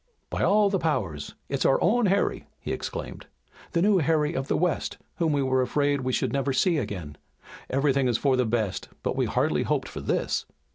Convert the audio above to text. "By all the powers, it's our own Harry!" he exclaimed, "the new Harry of the West, whom we were afraid we should never see again. Everything is for the best, but we hardly hoped for this!